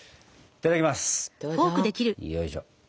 いただきます。